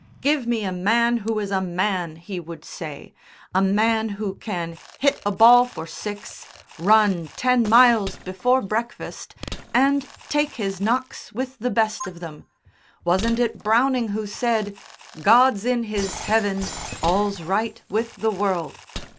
"Give me a man who is a man," he would say, "a man who can hit a ball for six, run ten miles before breakfast and take his knocks with the best of them. Wasn't it Browning who said, "'God's in His heaven, All's right with the world.'